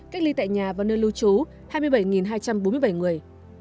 cách ly tại nhà và nơi lưu trú hai mươi bảy hai trăm bốn mươi bảy người